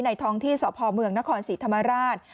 ในท้องที่สพเมืองนครศิษย์ธรรมาราช